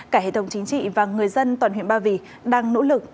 cả hệ thống chính trị và người dân toàn huyện ba vì đang nỗ lực